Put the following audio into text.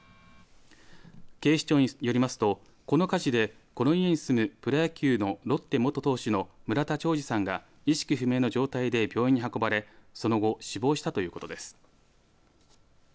警視庁によりますとこの火事でこの家に住むプロ野球のロッテ元投手の村田兆治さんが意識不明の状態で病院に運ばれその後死亡したということです。